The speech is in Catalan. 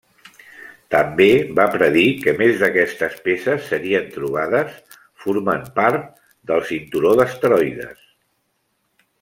També va predir que més d'aquestes peces serien trobades formant part del cinturó d'asteroides.